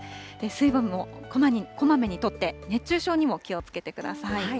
水分もこまめにとって熱中症にも気をつけてください。